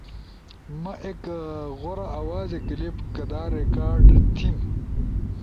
ما ایک غورا آوازے کلپ کدا ریکارڈ تھیم؟